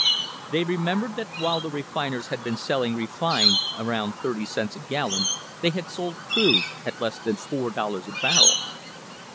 They remembered that while the refiners had been selling refined around thirty cents a gallon they had sold crude at less than four dollars a barrel.